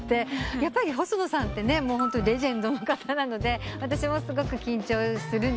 やっぱり細野さんってレジェンドの方なので私もすごく緊張するんですけど。